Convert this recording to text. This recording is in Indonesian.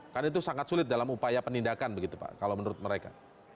karena itu sangat sulit dalam upaya penindakan begitu pak kalau menurut mereka